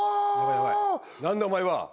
何だお前は！